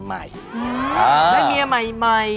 ได้เมียใหม่